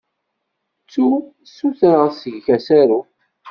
Ttu ssutreɣ seg-k asaruf.